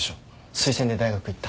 推薦で大学行った。